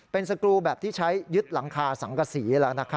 เป็นสกรูแบบที่ใช้ยึดหลังคาสังกษีแล้ว